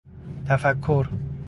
تفکر